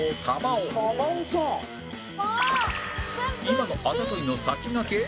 今の「あざとい」の先駆け？